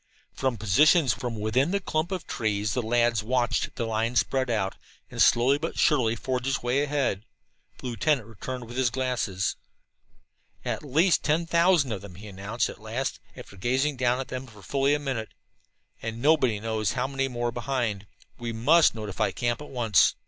From positions within the clump of trees the lads watched the line spread out and slowly but surely forge its way ahead. The lieutenant returned with his glasses. "At least ten thousand of them," he announced at last, after gazing down at them for fully a minute. "And nobody knows how many more behind. We must notify the camp at once."